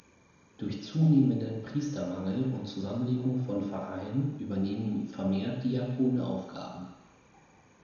Durch zunehmenden Priestermangel und Zusammenlegung von Pfarreien übernehmen vermehrt Diakone Aufgaben.